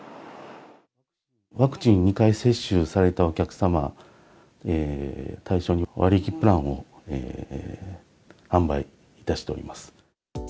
ワクチン２回接種されたお客様対象の割引プランを販売いたしております。